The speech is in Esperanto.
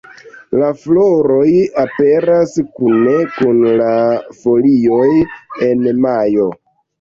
La floroj aperas kune kun la folioj en majo.